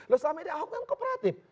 loh selama ini ahok kan kooperatif